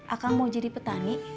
akang mau jadi petani